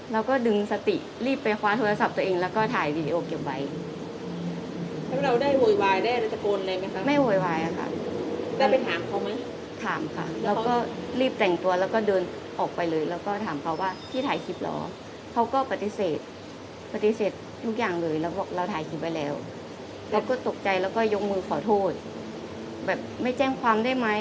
เราก็ดึงสติรีบไปคว้าโทรศัพท์ตัวเองแล้วก็ถ่ายวีดีโอเก็บไว้แล้วเราได้โหยวายได้ราชกลอะไรไหมคะไม่โหยวายอะค่ะได้ไปถามเขาไหมถามค่ะแล้วก็รีบแต่งตัวแล้วก็เดินออกไปเลยแล้วก็ถามเขาว่าที่ถ่ายคลิปเหรอเขาก็ปฏิเสธปฏิเสธทุกอย่างเลยแล้วก็เราถ่ายคลิปไว้แล้วเราก็ตกใจแล้วก็ยกมือขอโทษแบบไม่แจ้งความ